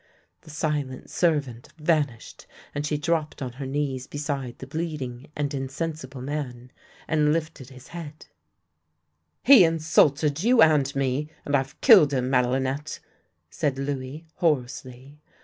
" The silent servant vanished, and she dropped on her knees beside the bleeding and insensible man, and lifted his head. 32 THE LANE THAT HAD NO TURNING " He insulted you and me, and I've killed him, Madelinette," said Louis hoarsely.